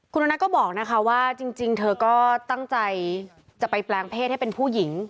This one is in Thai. คุณนัทก็บอกนะคะว่าจริงเธอก็ตั้งใจจะไปแปลงเพศให้เป็นผู้หญิง